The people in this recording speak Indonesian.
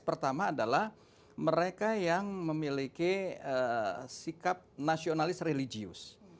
pertama adalah mereka yang memiliki sikap nasionalis religius